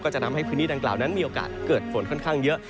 จะทำให้พื้นที่ดังกล่าวนั้นมีโอกาสเกิดฝนค่อนข้างเยอะ